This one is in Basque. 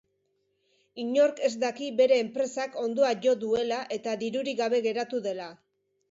Inork ez daki bere enpresak hondoa jo duela eta dirurik gabe geratu dela.